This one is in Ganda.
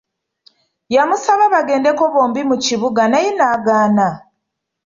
Yamusaba bagendeko bombi mu kibuga naye n'agaana.